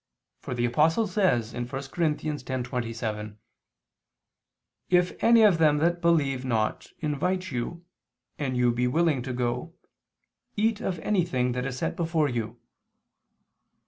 For the Apostle says (1 Cor. 10:27): "If any of them that believe not, invite you, and you be willing to go, eat of anything that is set before you."